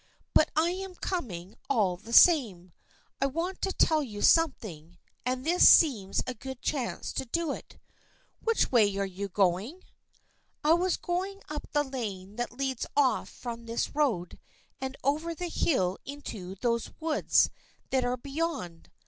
" But I am coming all the same. I want to tell you something, and this seems a good chance to do it. Which way are you going ?"" I was going up the lane that leads off from this road, and over the hill into those woods that are beyond.